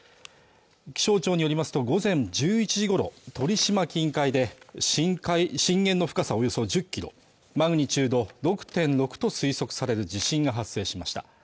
気象庁によりますと午前１１時ごろ鳥島近海で震源の深さおよそ１０キロマグニチュード６．６と推測される地震が発生しました